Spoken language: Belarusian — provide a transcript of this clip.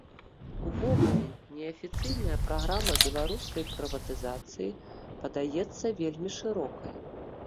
Увогуле, неафіцыйная праграма беларускай прыватызацыі падаецца вельмі шырокай.